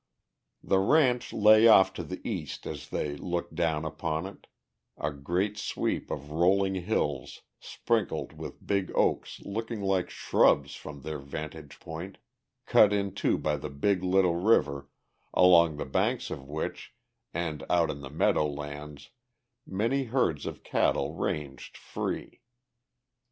The ranch lay off to the east as they looked down upon it, a great sweep of rolling hills sprinkled with big oaks looking like shrubs from their vantage point, cut in two by the Big Little River, along the banks of which and out in the meadow lands many herds of cattle ranged free.